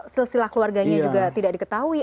selsilah keluarganya juga tidak diketahui